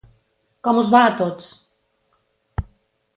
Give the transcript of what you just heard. Com us va a tots?